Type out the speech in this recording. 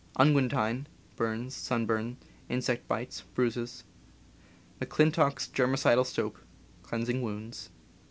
Unguentine — burns, sunburn, insect bites, bruises. McClintock's germicidal soap — cleansing wounds.